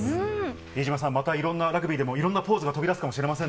比江島さん、また日本のラグビーでも、いろんなポーズが飛び出すかもしれませ